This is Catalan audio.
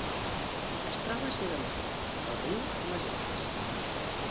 Es troba a Sud-amèrica: el riu Amazones.